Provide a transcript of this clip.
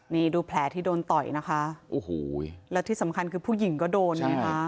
นี่ดูแผลที่โดนต่อยนะคะโอ้โหแล้วที่สำคัญคือผู้หญิงก็โดนไงคะ